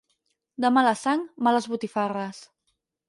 De mala sang, males botifarres.